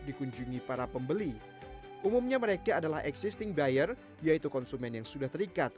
dikunjungi para pembeli umumnya mereka adalah existing buyer yaitu konsumen yang sudah terikat